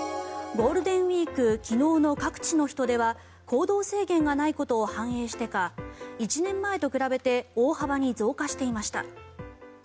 ゴールデンウィーク昨日の各地の人出は行動制限がないことを反映してか１年前と比べて大幅に増加していました。